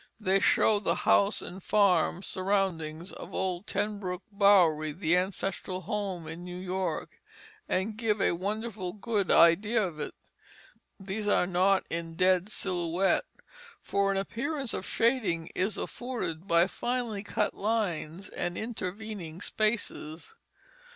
They show the house and farm surroundings of the old Ten Broeck "Bouwerie," the ancestral home in New York, and give a wonderfully good idea of it. These are not in dead silhouette, for an appearance of shading is afforded by finely cut lines and intervening spaces.